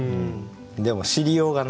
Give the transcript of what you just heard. でも知りようがないので。